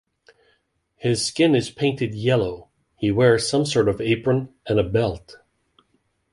His skin is painted yellow, he wears some sort of apron and a belt.